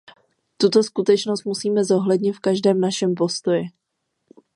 Tuto skutečnost musíme zohlednit v každém našem postoji.